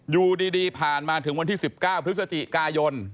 อยู่ดีผ่านมาที่๑๙บพฤษฎิกายน